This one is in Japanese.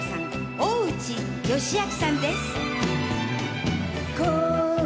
大内義昭さんです。